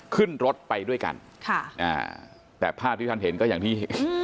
ขึ้นรถไปด้วยกันค่ะอ่าแต่ภาพที่ท่านเห็นก็อย่างที่